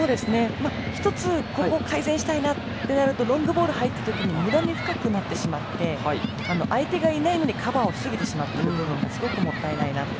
１つ、ここを改善したいなというところはロングボールが入ったときにむだに深くなってしまって相手がいないのにカバーを防げてしまっているのがすごく持ったないなと。